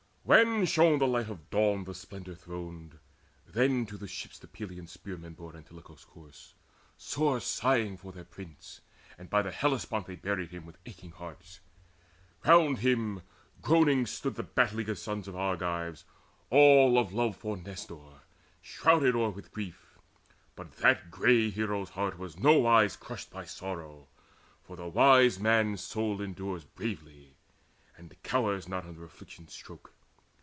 When shone the light of Dawn the splendour throned, Then to the ships the Pylian spearmen bore Antilochus' corpse, sore sighing for their prince, And by the Hellespont they buried him With aching hearts. Around him groaning stood The battle eager sons of Argives, all, Of love for Nestor, shrouded o'er with grief. But that grey hero's heart was nowise crushed By sorrow; for the wise man's soul endures Bravely, and cowers not under affliction's stroke.